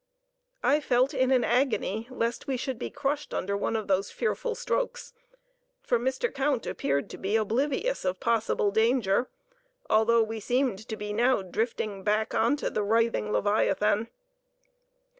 I felt in an agony lest we should be crushed under one of those fearful strokes, for Mr. Count appeared to be oblivious of possible danger, although we seemed to be now drifting back on to the writhing leviathan.